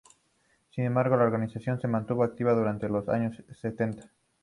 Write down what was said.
Sin embargo, la organización se mantuvo activa durante los años setenta.